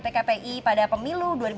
pkpi pada pemilu dua ribu sembilan belas